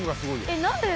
えっ何で？